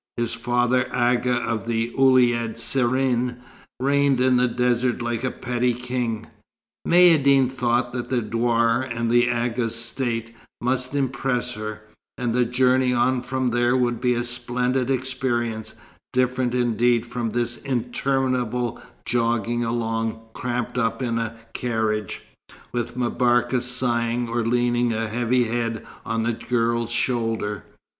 His father, Agha of the Ouled Serrin, reigned in the desert like a petty king. Maïeddine thought that the douar and the Agha's state must impress her; and the journey on from there would be a splendid experience, different indeed from this interminable jogging along, cramped up in a carriage, with M'Barka sighing, or leaning a heavy head on the girl's shoulder.